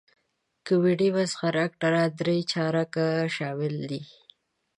کمیډي مسخره اکټران درې چارکه شامل دي.